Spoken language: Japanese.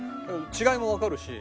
違いもわかるし。